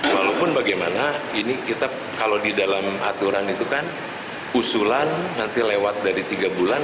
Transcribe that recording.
walaupun bagaimana ini kita kalau di dalam aturan itu kan usulan nanti lewat dari tiga bulan